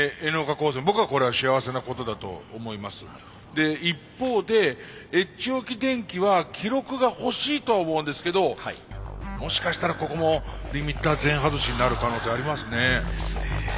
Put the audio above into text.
で一方でＨ置電機は記録が欲しいとは思うんですけどもしかしたらここもリミッター全外しになる可能性ありますね。